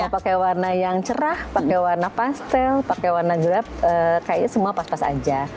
pakai warna yang cerah pakai warna pastel pakai warna gelap kayaknya semua pas pas aja